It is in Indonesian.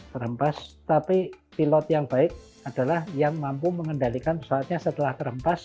terhempas tapi pilot yang baik adalah yang mampu mengendalikan pesawatnya setelah terhempas